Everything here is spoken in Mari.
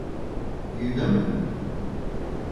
— Йӱдым?!